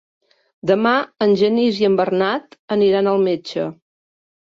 Demà en Genís i en Bernat aniran al metge.